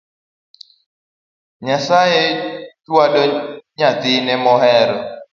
Nyasaye chwado nyathine mohero